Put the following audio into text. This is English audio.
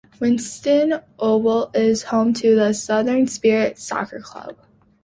Watsons Oval is home to the Southern Spirit Soccer Club.